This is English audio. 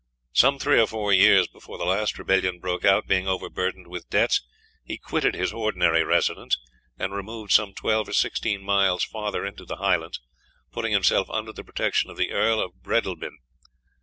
"Some three or four years before the last rebellion broke out, being overburdened with debts, he quitted his ordinary residence, and removed some twelve or sixteen miles farther into the Highlands, putting himself under the protection of the Earl of Bredalbin.